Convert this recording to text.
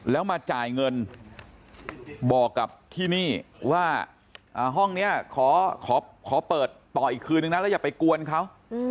แล้วมาจ่ายเงินบอกกับที่นี่ว่าห้องนี้ขอเปิดต่ออีกคืนนึงนะแล้วอย่าไปกวนเขา